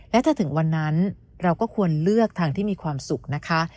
และถ้าถึงวันนั้นเราก็ควรเลือกทางที่มีความสุขนะคะ